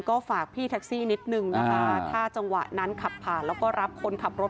ก็ฝากพี่แท็กซี่นิดนึงนะคะถ้าจังหวะนั้นขับผ่านแล้วก็รับคนขับรถ